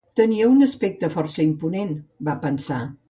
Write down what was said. Tenia un aspecte força imponent, va pensar.